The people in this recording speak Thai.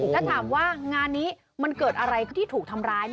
แล้วถามว่างานนี้มันเกิดอะไรขึ้นที่ถูกทำร้าย